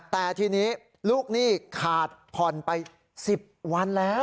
แต่ทีนี้ลูกหนี้ขาดผ่อนไป๑๐วันแล้ว